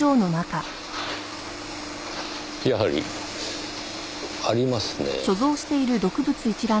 やはりありますね。